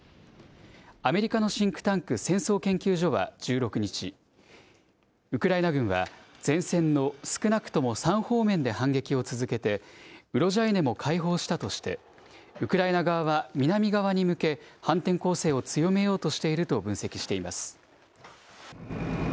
アメリカのシンクタンク、戦争研究所は１６日、ウクライナ軍は前線の少なくとも３方面で反撃を続けて、ウロジャイネも解放したとして、ウクライナ側は南側に向け、反転攻勢を強めようとしていると分析しています。